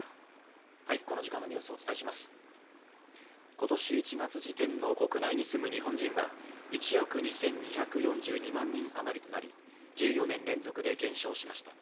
今年１月時点の国内に住む日本人は１億２２４２万人あまりとなり、１４年連続で減少しました。